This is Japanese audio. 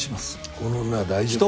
この女は大丈夫だ。